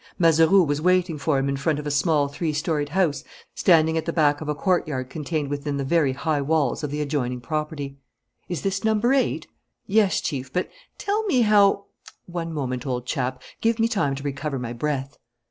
Mazeroux was waiting for him in front of a small three storied house standing at the back of a courtyard contained within the very high walls of the adjoining property. "Is this number eight?" "Yes, Chief, but tell me how " "One moment, old chap; give me time to recover my breath."